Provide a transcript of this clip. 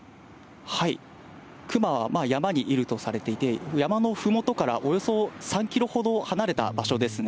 熊は山にいるとされていて、山のふもとからおよそ３キロほど離れた場所ですね。